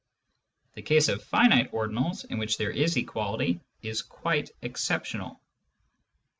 The case of finite ordinals, in which there is equality, is quite exceptional.